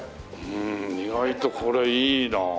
うん意外とこれいいなあ。